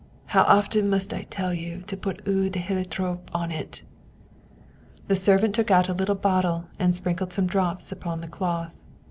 How often must I tell you to put eau de heliotrope on it ?" The servant took out a little bottle and sprinkled some drops upon the cloth.